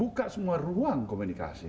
buka semua ruang komunikasi